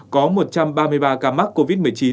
có một trăm ba mươi ba ca mắc covid một mươi chín